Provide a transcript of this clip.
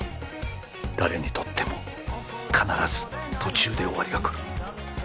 誰にとっても必ず途中で終わりがくる